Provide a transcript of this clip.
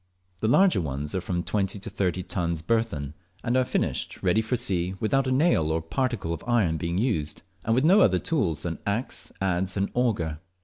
The larger ones are from 20 to 30 tons burthen, and are finished ready for sea without a nail or particle of iron being used, and with no other tools than axe, adze, and auger.